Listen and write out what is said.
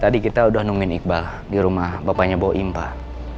tadi kita udah nungin iqbal di rumah bapaknya boim pak